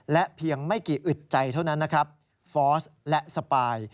และเพียงไม่กี่อึดใจเท่านั้นนะครับฟอร์สและสปาย